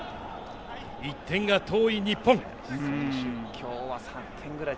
１点が遠い日本。